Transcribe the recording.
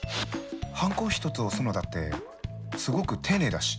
ハンコ一つ押すのだってすごく丁寧だし。